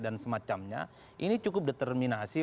dan semacamnya ini cukup determinasi